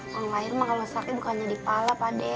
pulang lahiran mah kalau sakit bukannya di pala pak de